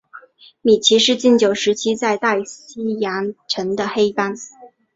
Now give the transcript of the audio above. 米奇是禁酒时期在大西洋城的黑帮。